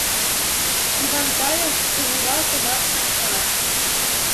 Ивантаев пухура кӑна хастар.